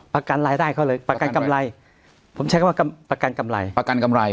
ประกันรายได้เขาเลยประกันกำไรผมใช้คำว่าประกันกำไรประกันกำไร